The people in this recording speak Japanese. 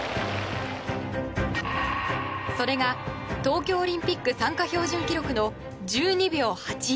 それが東京オリンピック参加標準記録の１２秒８４。